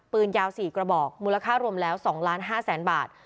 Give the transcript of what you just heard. ปืนยาวสี่กระบอกมูลค่ารวมแล้วสองล้านห้าแสนบาท